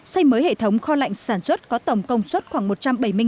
xây mới hệ thống kho lạnh sản xuất có tổng công suất khoảng một trăm bảy mươi tấn